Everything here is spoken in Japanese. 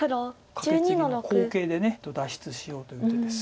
カケツギの好形で脱出しようという手です。